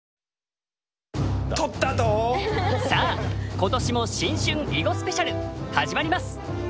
今年も新春囲碁スペシャル始まります。